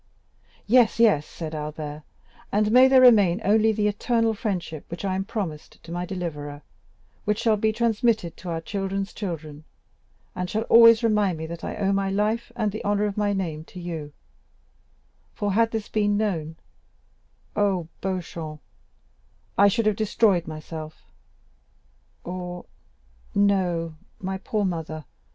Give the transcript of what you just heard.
"Yes, yes," said Albert, "and may there remain only the eternal friendship which I promised to my deliverer, which shall be transmitted to our children's children, and shall always remind me that I owe my life and the honor of my name to you,—for had this been known, oh, Beauchamp, I should have destroyed myself; or,—no, my poor mother!